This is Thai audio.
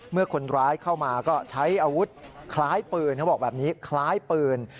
เมื่อคนร้ายเข้ามาก็ใช้อาวุธคล้ายปืนเขาบอกแบบนี้คล้ายปืน